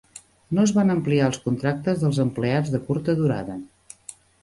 No es van ampliar els contractes dels empleats de curta durada.